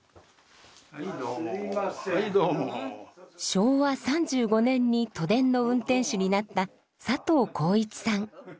昭和３５年に都電の運転手になった佐藤孝一さん。